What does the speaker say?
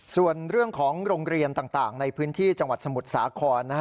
ส่วนเรื่องของโรงเรียนต่างในพื้นที่จังหวัดสมุทรสาคร